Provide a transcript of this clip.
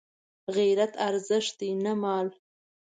غیرت ارزښت دی نه مال